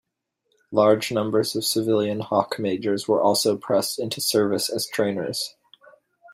Large numbers of civilian Hawk Majors were also pressed into service as trainers.